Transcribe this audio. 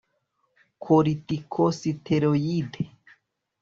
Koriticositeroyide